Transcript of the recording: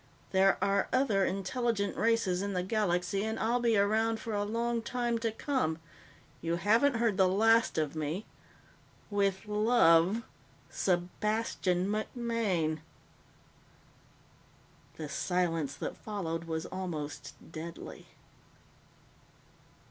There are other intelligent races in the galaxy, and I'll be around for a long time to come. You haven't heard the last of me. With love Sebastian MacMaine." The silence that followed was almost deadly.